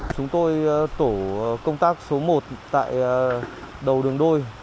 chúng tôi tổ công tác số một tại đầu đường đôi